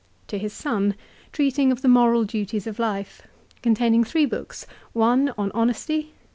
"t To his son. Treating of the Moral Duties of Life. Containing three books I. On Honesty.